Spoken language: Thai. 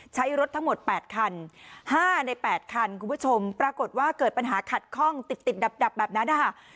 ใช้รถทั้งหมด๘คัน๕ใน๘คันคุณผู้ชมปรากฏว่าเกิดปัญหาขัดข้องติดติดดับแบบนั้นนะคะ